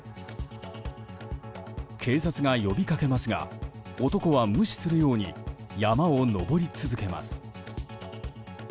警察が呼びかけますが男は無視するように山を登り続けます。